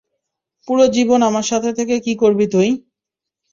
পুরো জীবন আমার সাথে থেকে কি করবি তুই?